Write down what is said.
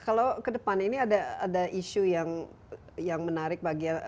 kalau ke depan ini ada isu yang menarik bagi